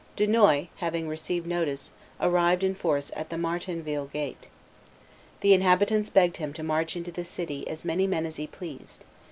Dunois, having received notice, arrived in force at the Martainville gate. The inhabitants begged him to march into the city as many men as he pleased.